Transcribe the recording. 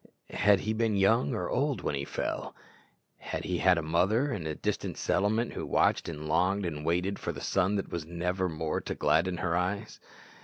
Had he been young or old when he fell? had he a mother in the distant settlement who watched and longed and waited for the son that was never more to gladden her eyes?